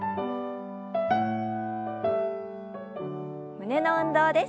胸の運動です。